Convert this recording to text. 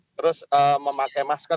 terus memakai masker